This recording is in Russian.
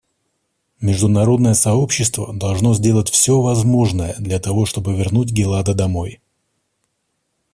Международное сообщество должно сделать все возможное для того, чтобы вернуть Гилада домой.